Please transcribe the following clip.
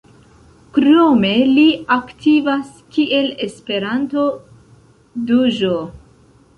Krome li aktivas kiel Esperanto-DĴ.